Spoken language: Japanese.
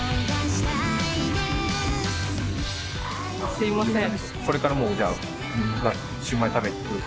すいません。